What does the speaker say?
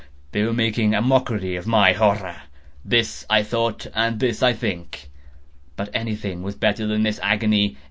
—they were making a mockery of my horror!—this I thought, and this I think. But anything was better than this agony!